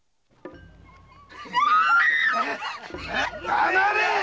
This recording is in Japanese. ・黙れ！